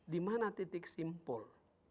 dimana titik simpul